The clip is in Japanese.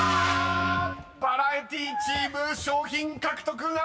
［バラエティチーム賞品獲得ならず！］